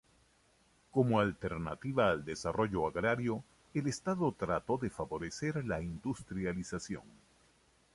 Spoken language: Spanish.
Como alternativa al desarrollo agrario, el Estado trató de favorecer la industrialización.